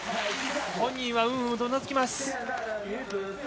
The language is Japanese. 本人はうなずきます。